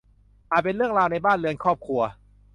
อาจเป็นเรื่องราวในบ้านเรือนครอบครัว